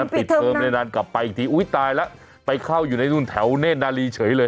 ปิดเทอมเลยนานกลับไปอีกทีอุ้ยตายแล้วไปเข้าอยู่ในนู่นแถวเน่นนาลีเฉยเลย